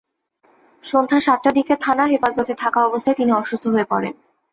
সন্ধ্যা সাতটার দিকে থানা হেফাজতে থাকা অবস্থায় তিনি অসুস্থ হয়ে পড়েন।